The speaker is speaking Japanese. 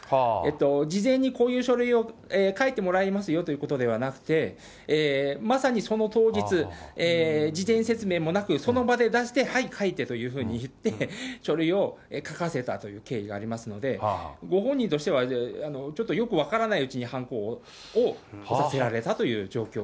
事前にこういう書類を書いてもらいますよということではなくて、まさにその当日、事前説明もなく、その場で出して、はい、書いてというふうに言って、書類を書かせたという経緯がありますので、ご本人としては、ちょっとよく分からないうちにはんこを押させられたという状況。